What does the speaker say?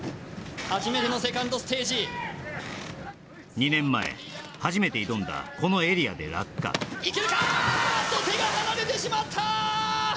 初めてのセカンドステージ２年前初めて挑んだこのエリアで落下いけるかあーっと手が離れてしまった！